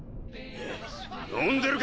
飲んでるか？